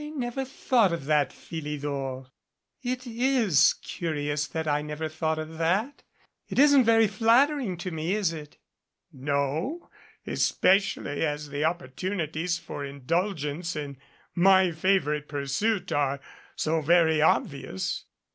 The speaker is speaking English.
"I never thought of that, Philidor. It is curious that I never thought of that. It isn't very flattering to me, is it?" "No especially as the opportunities for indulgence in my favorite pursuit are so very obvious."